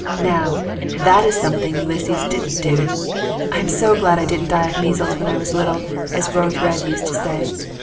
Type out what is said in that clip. Now, that is something Ulysses didn't do! I am so glad I didn't die of measles when I was little, as Rose Red used to say."